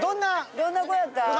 どんな子やった？